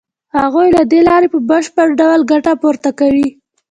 هغوی له دې لارې په بشپړ ډول ګټه پورته کوي